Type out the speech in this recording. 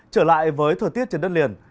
trở lại với thời tiết trên đất liền